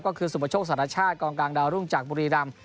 ก็คือสุปโชคสารชาติกองกลางดาวรุ่งจากบุรีรำ